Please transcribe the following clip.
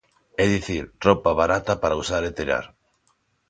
É dicir, roupa barata para usar e tirar.